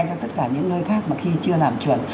cho tất cả những nơi khác mà khi chưa làm chuẩn